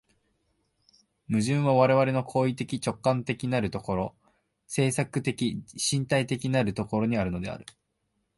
矛盾は我々の行為的直観的なる所、制作的身体的なる所にあるのである。